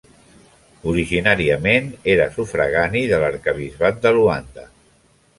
Originàriament era sufragani de l'arquebisbat de Luanda.